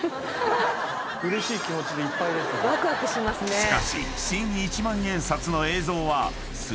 ［しかし］